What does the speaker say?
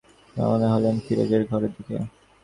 রওনা হলেন ফিরোজের ঘরের দিকে।